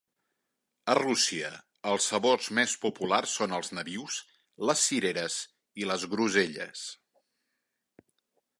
A Rússia, els sabors més populars són els nabius, les cireres i les groselles.